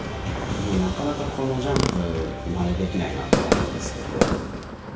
なかなかこのジャンプ、まねできないなとは思うんですけど。